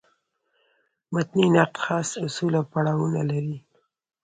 متني نقد خاص اصول او پړاوونه لري.